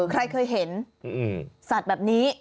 ใครเคยเห็นสัตว์แบบนี้